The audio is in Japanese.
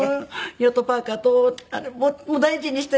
ヨットパーカともう大事にして。